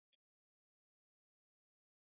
افغانستان په خپلو کلیو باندې پوره تکیه لري.